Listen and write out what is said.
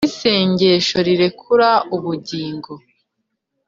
n'isengesho rirekura ubugingo